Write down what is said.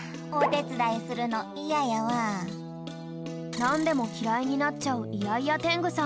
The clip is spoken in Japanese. なんでもきらいになっちゃうイヤイヤテングさん。